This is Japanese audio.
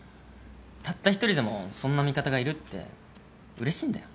たった一人でもそんな味方がいるってうれしいんだよ。